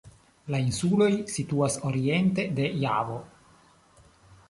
La insuloj situas oriente de Javo.